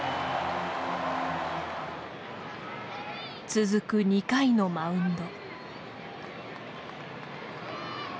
続く２回のマウンド。